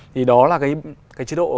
thì đó là cái chế độ